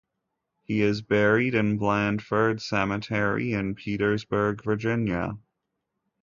He is buried in Blandford Cemetery in Petersburg, Virginia.